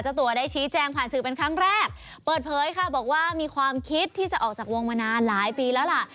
ตัวได้ชี้แจงผ่านสื่อเป็นครั้งแรกเปิดเผยค่ะบอกว่ามีความคิดที่จะออกจากวงมานานหลายปีแล้วล่ะ